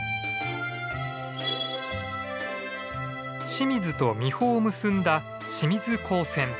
清水と三保を結んだ清水港線。